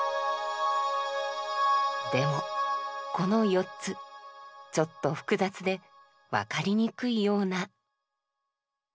でもこの４つちょっと複雑で分かりにくいような。